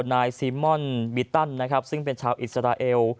นายซีมอนมิตุั่นซึ่งเป็นชาวอิสราเอล